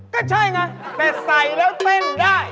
ก็ใช่ไงแต่ใส่แล้วเต้นได้